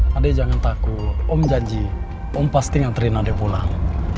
hai adik jangan takut om janji om pasti nganterin adik pulang